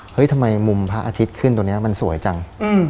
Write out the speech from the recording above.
ทำไมมุมพระอาทิตย์ขึ้นตรงนี้มันสวยจัง